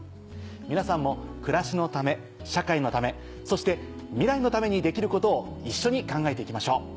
皆さんも暮らしのため社会のためそして未来のためにできることを一緒に考えて行きましょう。